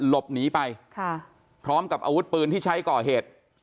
หลบหนีไปพร้อมกับอาวุธปืนที่ใช้ก่อเหตุ